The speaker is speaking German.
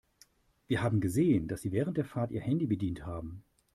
Wir haben gesehen, dass Sie während der Fahrt Ihr Handy bedient haben.